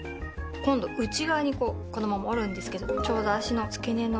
今度内側にこのまま折るんですけどちょうど足の付け根の。